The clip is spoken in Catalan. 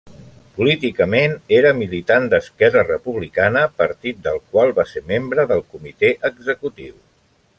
Políticament, era militant d'Esquerra Republicana partit del qual va ser membre del comitè executiu.